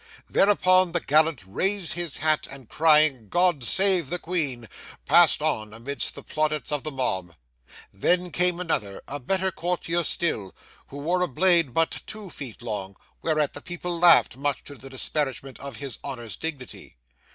Thereupon the gallant raised his hat and crying, 'God save the Queen!' passed on amidst the plaudits of the mob. Then came another—a better courtier still—who wore a blade but two feet long, whereat the people laughed, much to the disparagement of his honour's dignity.